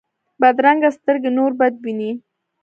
بدرنګه سترګې نور بد ویني